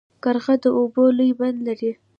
قرغه د اوبو لوی بند لري.